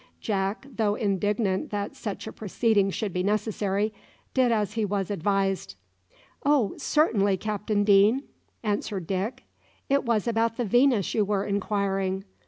Jack, though indignant that such a proceeding should be necessary, did as he was advised. "Oh, certainly, Captain Deane!" answered Dick. "It was about the `Venus' you were inquiring.